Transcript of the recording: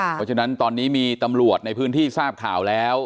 เพราะฉะนั้นตอนนี้มีตำรวจในพื้นที่ทราบข่าวแล้ว